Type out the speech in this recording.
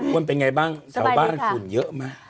มันเป็นไงบ้างแถวบ้านฝุ่นเยอะไหม